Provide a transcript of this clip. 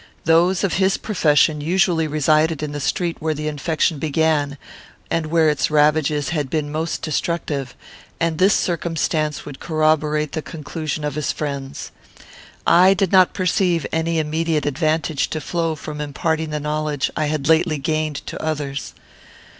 Those of his profession usually resided in the street where the infection began, and where its ravages had been most destructive; and this circumstance would corroborate the conclusions of his friends. I did not perceive any immediate advantage to flow from imparting the knowledge I had lately gained to others.